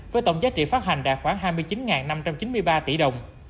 với tổng giá trị phát hành đạt khoảng hai mươi chín năm trăm chín mươi ba tỷ đồng